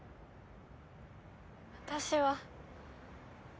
私は。